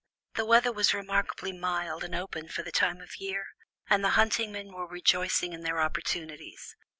The weather was remarkably mild and open for the time of year, and the hunting men were rejoicing in their opportunities.